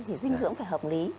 thì dinh dưỡng phải hợp lý